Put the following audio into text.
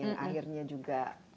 yang akhirnya juga